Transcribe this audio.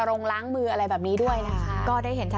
โดนโรงคนไทยใส่หน้ากากอนามัยป้องกันโควิด๑๙กันอีกแล้วค่ะ